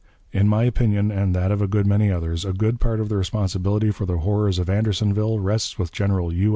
In my opinion, and that of a good many others, a good part of the responsibility for the horrors of Andersonville rests with General U.